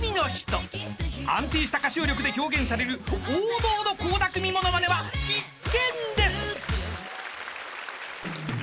［安定した歌唱力で表現される王道の倖田來未モノマネは必見です］